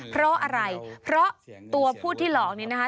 เพราะอะไรเพราะตัวผู้ที่หลอกนี้นะคะ